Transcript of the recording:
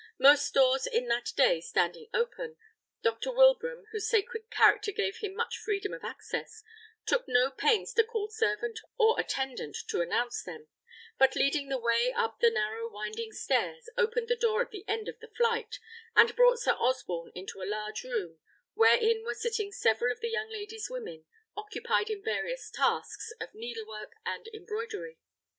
Most doors in that day standing open, Dr. Wilbraham, whose sacred character gave him much freedom of access, took no pains to call servant or attendant to announce them; but leading the way up the narrow winding stairs, opened the door at the end of the flight, and brought Sir Osborne into a large room, wherein were sitting several of the young lady's women, occupied in various tasks of needle work and embroidery.